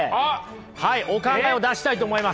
はいお考えを出したいと思います。